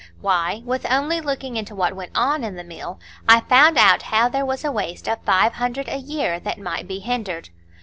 Why, with only looking into what went on in the mill, I found out how there was a waste of five hundred a year that might be hindered.